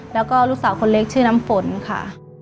แล้วก็ลูกสาวคนเล็กชื่อน้ำฝนค่ะ